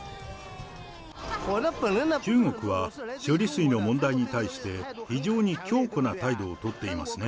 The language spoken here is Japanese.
中国は処理水の問題に対して、非常に強固な態度を取っていますね。